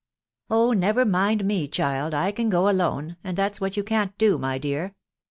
" Oh ! never mind me, child, I can go alone, and that's what you can't do, my dear. ....